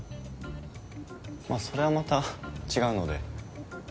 まあそれはまた違うので。